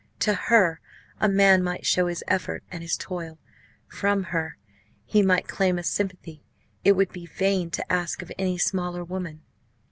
To her a man might show his effort and his toil, from her he might claim a sympathy it would be vain to ask of any smaller woman.